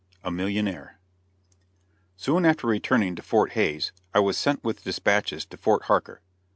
A MILLIONAIRE. Soon after returning to Fort Hays, I was sent with dispatches to Fort Harker.